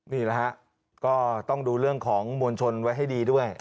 นี่แหละฮะก็ต้องดูเรื่องของมวลชนไว้ให้ดีด้วย